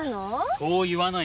そう言わないで。